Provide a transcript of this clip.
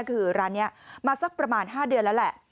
คือร้านนี้มาสักประมาณ๕เดือนแล้วแหละ